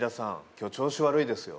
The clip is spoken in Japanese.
今日調子悪いですよ